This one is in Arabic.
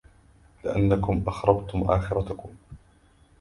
لِأَنَّكُمْ أَخْرَبْتُمْ آخِرَتَكُمْ